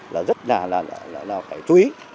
là rất là phải chú ý